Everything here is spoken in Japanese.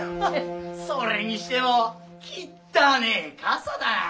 それにしてもきったねえ笠だ。